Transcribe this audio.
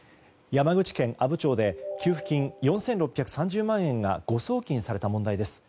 山口県阿武町で給付金４６３０万が誤送金された問題です。